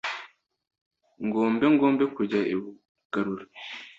Ngombe ngombe kujya i Bugarura